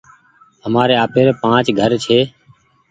همآري آپيري پآنچ گهر ڇي۔